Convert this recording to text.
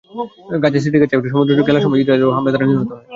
গাজা সিটির কাছে একটি সমুদ্রসৈকতে খেলার সময় ইসরায়েলের হামলায় তারা নিহত হয়।